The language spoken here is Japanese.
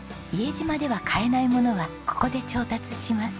伊江島では買えないものはここで調達します。